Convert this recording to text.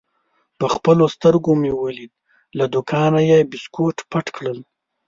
په خپلو سترګو مې ولید: له دوکانه یې بیسکویټ پټ کړل.